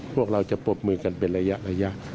พวกเราจะปรบมือกันเป็นระยะ